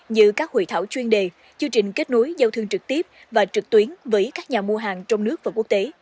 như các hội thảo chuyên đề chương trình kết nối giao thương trực tiếp và trực tuyến với các nhà mua hàng trong nước và quốc tế